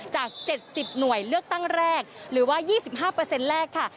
จาก๗๐หน่วยเลือกตั้งแรกหรือว่า๒๕แรกค่ะ